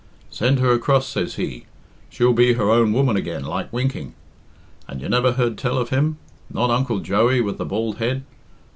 'Send her across,' says he; 'she'll be her own woman again like winking.' And you never heard tell of him? Not Uncle Joey with the bald head?